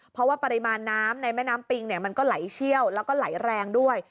เพราะว่าปริมาณน้ำในแม่น้ำปิงมันก็ไหลเชี่ยวแล้วก็ไหลแรงด้วย